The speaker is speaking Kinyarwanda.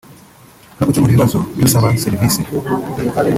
no gukemura ibibazo by’usaba serivisi